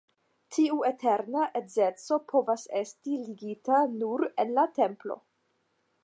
Tiu eterna edzeco povas esti ligita nur en la templo.